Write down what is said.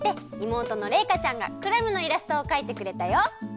妹のれいかちゃんがクラムのイラストをかいてくれたよ。